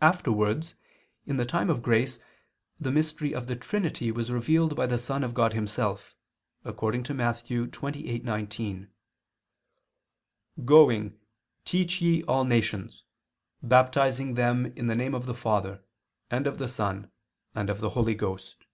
Afterwards in the time of grace the mystery of the Trinity was revealed by the Son of God Himself, according to Matt. 28:19: "Going ... teach ye all nations, baptizing them in the name of the Father, and of the Son, and of the Holy Ghost."